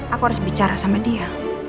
aku harus bicara sama dia